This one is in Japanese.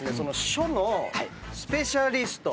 書のスペシャリスト。